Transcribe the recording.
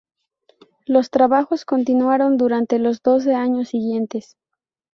Los trabajos continuaron durante los doce años siguientes.